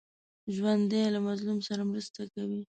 ژوندي له مظلوم سره مرسته کوي